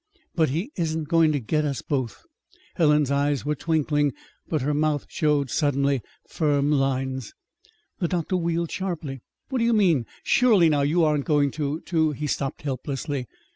"But he isn't going to get us both!" Helen's eyes were twinkling, but her mouth showed suddenly firm lines. The doctor wheeled sharply. "What do you mean? Surely, now you aren't going to to " He stopped helplessly.